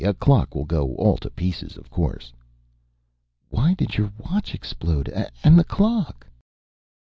A clock will go all to pieces, of course." "Why did your watch explode and the clock?"